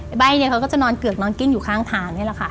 ใบ้เนี่ยเขาก็จะนอนเกือกนอนกิ้งอยู่ข้างทางนี่แหละค่ะ